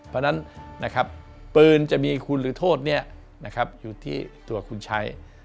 เพราะฉะนั้นนะครับปืนจะมีคุณหรือโทษอยู่ที่ตัวคุณใช้